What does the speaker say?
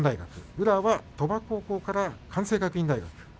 宇良は鳥羽高校から関西学院大学。